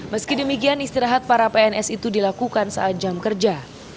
meski demikian istirahat para pns itu dilakukan saat jam kerja